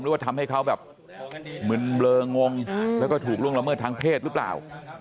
หรือว่าทำให้เขาแบบมึนเบลองงแล้วก็ถูกล่วงละเมิดทางเพศหรือเปล่า